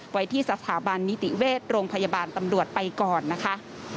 ไว้ที่สถาบันนิติเวชโรงพยาบาลตำรวจไปก่อนนะคะ